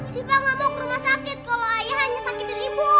suka nggak mau ke rumah sakit kalau ayah hanya sakitin ibu